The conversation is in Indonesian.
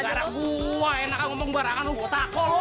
gara gara gua enak aja ngomong sembarangan lu kota ko lu